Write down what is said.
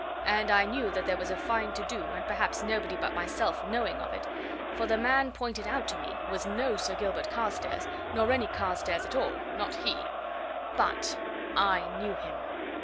And I knew that there was a fine to do, and perhaps nobody but myself knowing of it, for the man pointed out to me was no Sir Gilbert Carstairs, nor any Carstairs at all not he! But I knew him!"